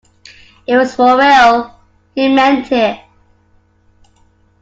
It was for real; he meant it.